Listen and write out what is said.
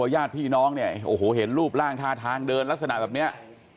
ญาติพี่น้องเนี่ยโอ้โหเห็นรูปร่างท่าทางเดินลักษณะแบบนี้